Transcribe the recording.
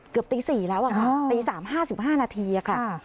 เกือบตีสี่แล้วอ่ะตีสามห้าสิบห้านาทีอะค่ะ